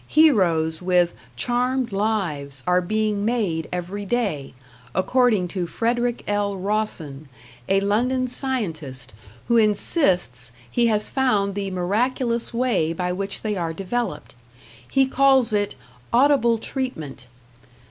Heroes with "charmed lives" are being made every day, according to Frederick L. Rawson, a London scientist, who insists he has found the miraculous way by which they are developed. He calls it "audible treatment".